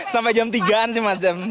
sampai jam tiga an sih mas sampai jam tiga